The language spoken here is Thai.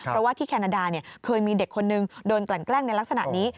เพราะว่าที่แคนาดาเคยมีเด็กคนนึงโดนกลั่นแกล้งในลักษณะนี้